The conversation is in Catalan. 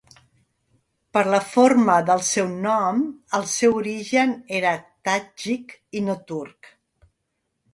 Per la forma del seu nom el seu origen era tadjik i no turc.